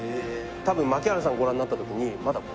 多分槙原さんご覧になった時に。